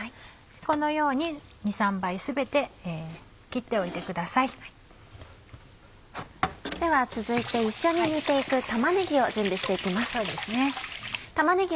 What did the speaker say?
このように２３ばい全て切っておいてください。では続いて一緒に煮て行く玉ねぎを準備して行きます。